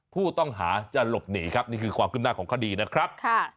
ผู้ต้องหาจะหลบหนีครับนี่คือความขึ้นหน้าของคดีนะครับ